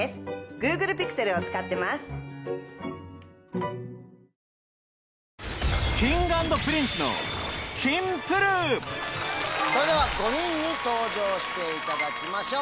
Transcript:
マイケルの神業に挑むさらに Ｋｉｎｇ＆Ｐｒｉｎｃｅ のそれでは５人に登場していただきましょう。